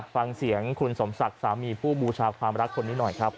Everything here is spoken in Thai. ฟังเสียงคุณสมศักดิ์สามีผู้บูชาความรักคนนี้หน่อยครับ